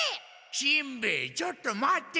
しんべヱちょっと待て！